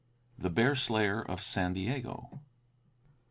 THE BEAR SLAYER OF SAN DIEGO.